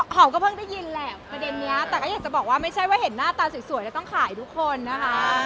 ก็เพิ่งได้ยินแหละประเด็นนี้แต่ก็อยากจะบอกว่าไม่ใช่ว่าเห็นหน้าตาสวยแล้วต้องขายทุกคนนะคะ